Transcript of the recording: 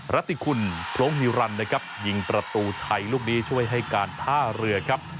รัฐติคุณพรงฮิรันดินะครับยิงประตูชัยลูกนี้ช่วยให้การท่าเรือครับ